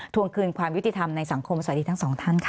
วงคืนความยุติธรรมในสังคมสวัสดีทั้งสองท่านค่ะ